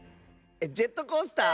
ジェットコースター？